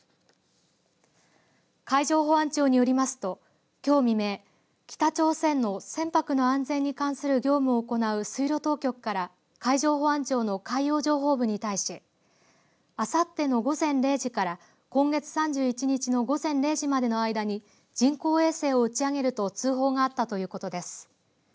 海上保安庁によりますときょう未明、北朝鮮の船舶の安全に関する業務を行う水路当局から海上保安庁の海洋情報部に対しあさっての午前０時から今月３１日の午前０時までの間に人工衛星を打ち上げると通報があったということです。